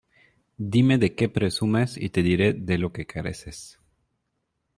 Dime de qué presumes y te diré de lo que careces.